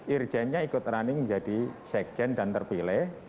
irjennya ikut running menjadi sekjen dan terpilih